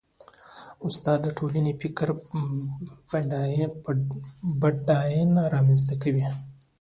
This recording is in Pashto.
استاد د ټولنې فکري بډاینه رامنځته کوي.